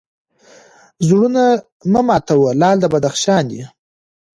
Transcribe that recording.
زړونه مه ماتوه لعل د بدخشان دی